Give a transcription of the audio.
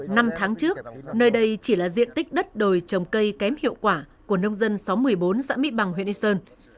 năm tháng trước nơi đây chỉ là diện tích đất đồi trồng cây kém hiệu quả của nông dân xóm một mươi bốn xã mỹ bằng huyện yên sơn